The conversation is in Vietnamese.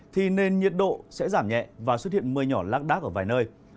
thì nền nhiệt độ sẽ giảm nhẹ và xuất hiện mưa nhỏ lác đác ở vài nơi